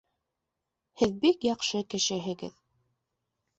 Һеҙ бик яҡшы кешеһегеҙ!